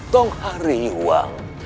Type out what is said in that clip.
sampai pada waktunya nanti